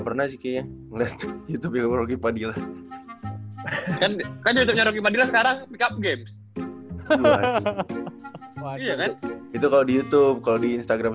derik mungkin bisa jadi